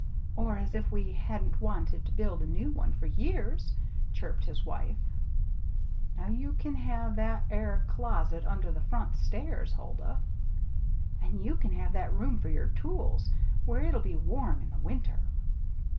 "Or as if we hadn't wanted to build a new one for years," chirruped his wife. "Now you can have that 'ere closet under the front stairs, Huldah!" "And you can have the room for your tools where it'll be warm in the winter!"